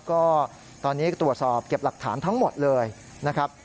ก็ตอนนี้ตรวจสอบเก็บหลักฐานทั้งหมดเลยนะครับ